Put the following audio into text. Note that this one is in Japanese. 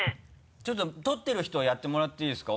ちょっと撮ってる人やってもらっていいですか？